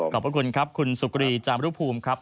ขอบคุณครับคุณสุกรีจามรุภูมิครับ